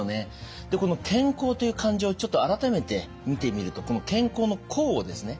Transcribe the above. この「健康」という漢字をちょっと改めて見てみるとこの健康の「康」をですね